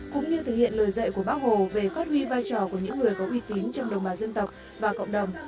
cũng như thực hiện lời dạy của bác hồ về phát huy vai trò của những người có uy tín trong đồng bào dân tộc và cộng đồng